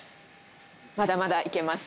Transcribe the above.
まだまだ行けます。